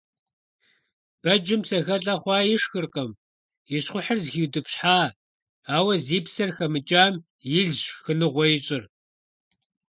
Бэджым псэхэлIэ хъуа ишхыркъым, и щхъухьыр зыхиутIыпщхьа, ауэ зи псэр хэмыкIам илщ шхыныгъуэ ищIыр.